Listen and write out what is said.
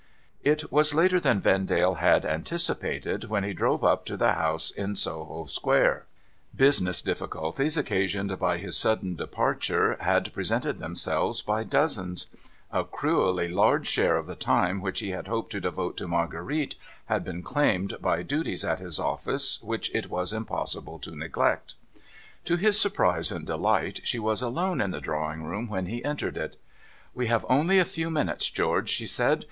It was later than Vendale had anticipated when he drove up to the house in Soho Square. Business difificulties, occasioned by his sudden departure, had presented themselves by dozens. A cruelly large share of the time which he had hoped to devote to Marguerite had been claimed by duties at his ofifice which it was impossible to neglect. To his surprise and delight, she was alone in the drawing room when he entered it. ' We have only a few minutes, George,' she said.